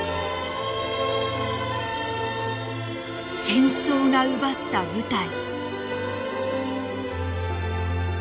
戦争が奪った舞台。